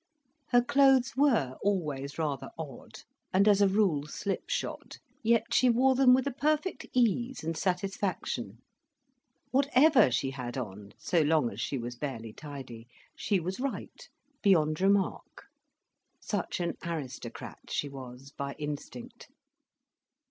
Her clothes were always rather odd, and as a rule slip shod, yet she wore them with a perfect ease and satisfaction. Whatever she had on, so long as she was barely tidy, she was right, beyond remark; such an aristocrat she was by instinct.